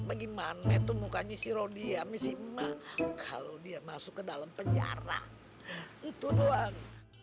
bagaimana itu mukanya si rodiami sima kalau dia masuk ke dalam penjara itu doang